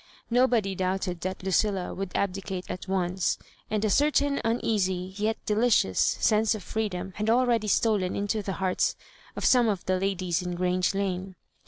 Nobody doubt ed that Lucilla would abdicate at once, and a certain uneasy, yet delicious, sense of freedom had already stolen into the hearts of some of the ladies in Grange Lane.